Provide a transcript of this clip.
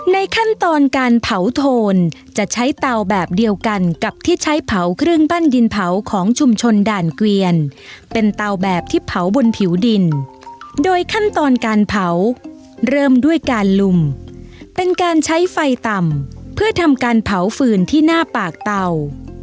ในขั้นตอนการเผาโทนจะใช้เตาแบบเดียวกันกับที่ใช้เผาเครื่องปั้นดินเผาของชุมชนด่านเกวียนเป็นเตาแบบที่เผาบนผิวดินโดยขั้นตอนการเผาเริ่มด้วยการลุมเป็นการใช้ไฟต่ำเพื่อทำการเผาฟืนที่หน้าปากเตา